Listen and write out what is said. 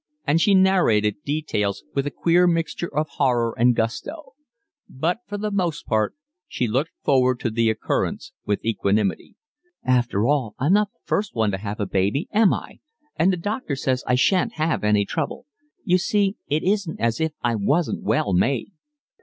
and she narrated details with a queer mixture of horror and gusto; but for the most part she looked forward to the occurrence with equanimity. "After all, I'm not the first one to have a baby, am I? And the doctor says I shan't have any trouble. You see, it isn't as if I wasn't well made."